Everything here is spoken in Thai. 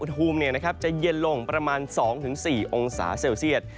ภูมิจะเย็นลงประมาณ๒๔องศาเซลเซียต